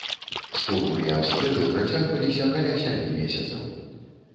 Штурмы і абстрэлы працягваліся каля сямі месяцаў.